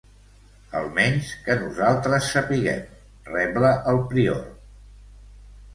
Almenys que nosaltres sapiguem, rebla el prior.